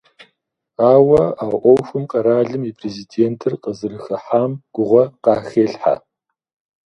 Ауэ а Ӏуэхум къэралым и Президентыр къызэрыхыхьам гугъэ къахелъхьэ.